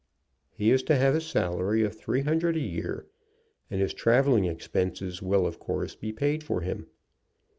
He is to have a salary of three hundred a year, and his travelling expenses will of course be paid for him.